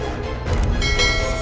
ya kita kembali ke sekolah